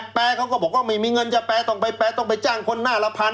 แปลเขาก็บอกว่าไม่มีเงินจะแปลต้องไปแปลต้องไปจ้างคนหน้าละพัน